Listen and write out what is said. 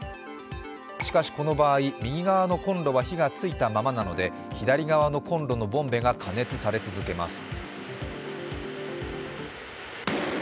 しかしこの場合、右側のコンロは火がついたままなので左側のコンロのボンベが加熱され続けます。